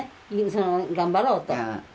その頑張ろうと。